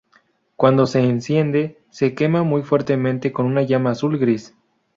Cuando se enciende se quema muy fuertemente con una llama azul-gris.